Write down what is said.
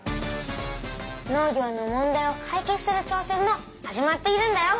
農業の問題をかい決する挑戦も始まっているんだよ。